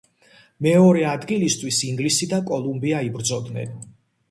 მეორე ადგილისთვის ინგლისი და კოლუმბია იბრძოდნენ.